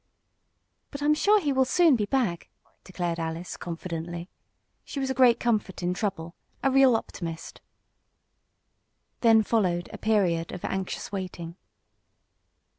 "But I'm sure he will soon be back," declared Alice, confidently. She was a great comfort in trouble a real optimist. Then followed a period of anxious waiting.